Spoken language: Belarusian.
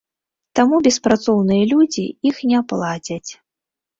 Таму беспрацоўныя людзі іх не плацяць.